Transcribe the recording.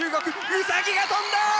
ウサギが跳んだ！